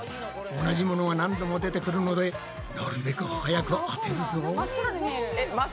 同じものが何度も出てくるのでなるべく早く当てるぞ。